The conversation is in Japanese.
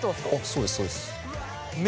そうですそうです。